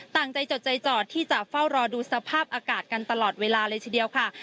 ใจจดใจจอดที่จะเฝ้ารอดูสภาพอากาศกันตลอดเวลาเลยทีเดียวค่ะ